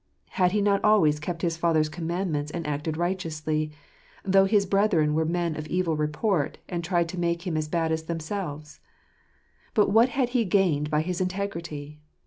Had he not always kept his father's commandments and acted righteously, though his brethren were men of evil report, and tried to make him as bad as themselves? But what had he gained by his integrity?